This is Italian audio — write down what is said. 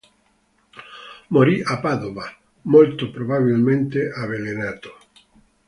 Morì a Padova, molto probabilmente avvelenato.